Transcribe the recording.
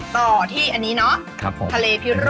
ต่อที่อันนี้เนอะ